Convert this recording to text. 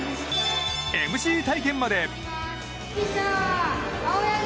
ＭＣ体験まで。